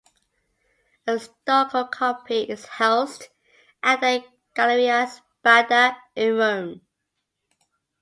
A stucco copy is housed at the Galleria Spada in Rome.